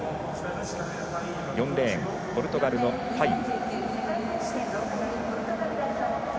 ４レーン、ポルトガルのパイン。